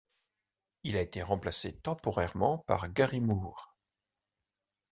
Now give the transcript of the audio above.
Il a été remplacé temporairement par Gary Moore.